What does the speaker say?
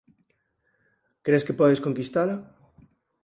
Cres que podes conquistala?